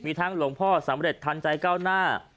มีทั้งหลวงพ่อสำเร็จทันใจก้าวหน้า